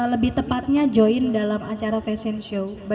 lebih tepatnya join dalam acara fashion show